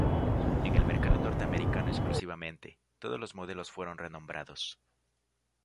En el mercado Norteamericano exclusivamente, todos los modelos fueron renombrados.